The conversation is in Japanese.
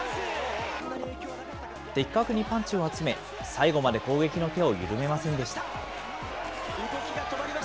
的確にパンチを集め、最後まで攻撃の手を緩めませんでした。